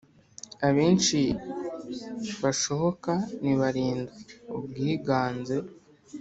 abenshi bashoboka ni barindwi Ubwiganze